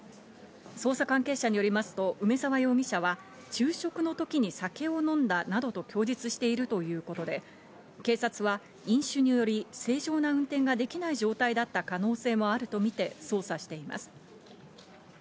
捜査関係者によりますと梅沢容疑者は昼食の時に酒を飲んだなどと供述しているということで、警察は飲酒により正常な運転ができない状態だった可能性があるとみて捜査しています。